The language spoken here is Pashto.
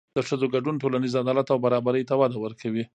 د ښځو ګډون ټولنیز عدالت او برابري ته وده ورکوي.